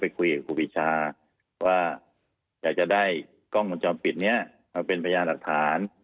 คุยกับครูปีชาว่าอยากจะได้กล้องวงจรปิดนี้มาเป็นพยานหลักฐาน